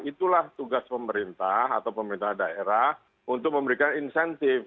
itulah tugas pemerintah atau pemerintah daerah untuk memberikan insentif